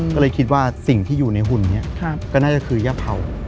ก็เลยคิดว่าสิ่งที่อยู่ในหุ่นนี้ก็น่าจะคือย่าเผา